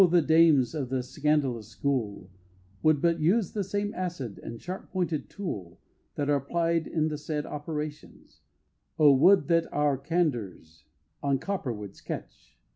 that the dames of the Scandalous School Would but use the same acid, and sharp pointed tool, That are plied in the said operations Oh! would that our Candours on copper would sketch!